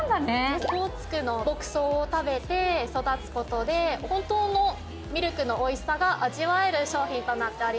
オホーツクの牧草を食べて育つことで本当のミルクのおいしさが味わえる商品となっております。